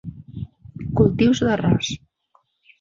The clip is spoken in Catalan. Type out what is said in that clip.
Cultius d'arròs.